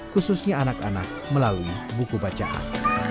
khususnya anak anak melalui buku bacaan